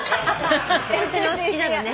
ホントにお好きなのね！